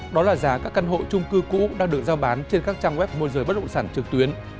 đó là giá các căn hộ trung cư cũ đang được giao bán trên các trang web môi rời bất động sản trực tuyến